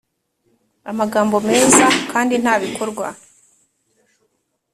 amagambo meza kandi nta bikorwa.